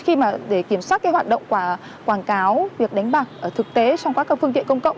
khi mà để kiểm soát cái hoạt động quảng cáo việc đánh bạc thực tế trong các phương tiện công cộng